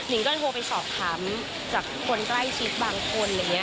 นิ้งก็โทรไปสอบถามจากคนใกล้ชีพบางคน